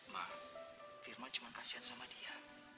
mak firma cuma kasihan sama dia